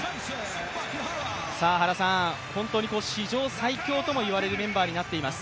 本当に史上最強とも言われるメンバーになっています。